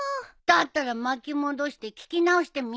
だったら巻き戻して聴き直してみようよ。